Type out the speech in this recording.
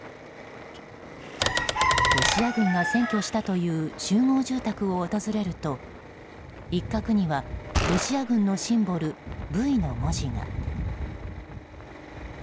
ロシア軍が占拠したという集合住宅を訪れると一角にはロシア軍のシンボル「Ｖ」の文字が。